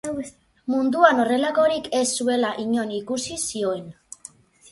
Munduan horrelakorik ez zuela inon ikusi zioen.